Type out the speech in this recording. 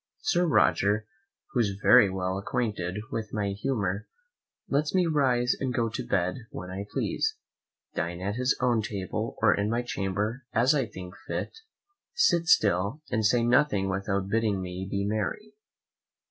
Sir Roger, who is very well acquainted with my humour, lets me rise and go to bed when I please, dine at his own table or in my chamber as I think fit, sit still and say nothing without bidding me be merry.